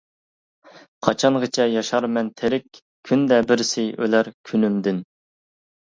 قاچانغىچە ياشارمەن تىرىك، كۈندە بىرسى ئۆلەر كۈنۈمدىن.